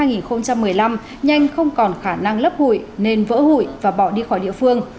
lê thị nhanh không còn khả năng lấp hụi nên vỡ hụi và bỏ đi khỏi địa phương